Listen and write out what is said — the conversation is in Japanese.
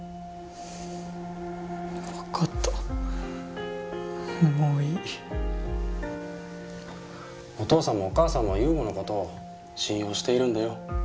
お父さんもお母さんも優吾のことを信用しているんだよ。